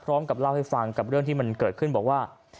พร้อมกับเล่าให้ฟังกับเรื่องที่มันเกิดขึ้นบอกว่า